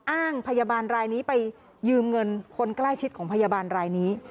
อ้างพยาบาลรายนี้ไปยืมเงินคนใกล้ชิดของพยาบาลรายนี้